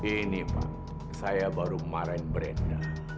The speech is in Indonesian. ini pak saya baru marahin brenda